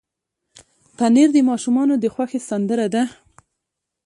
پنېر د ماشومانو د خوښې سندره ده.